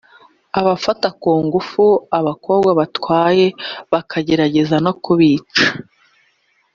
abafata ku ngufu abakobwa batwaye bakagerageza no kubica